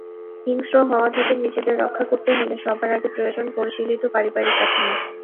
হিংস্র হওয়া থেকে নিজেদের রক্ষা করতে হলে সবার আগে প্রয়োজন পরিশীলিত পারিবারিক কাঠামো।